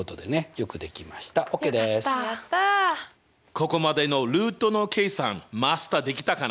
ここまでのルートの計算マスターできたかな？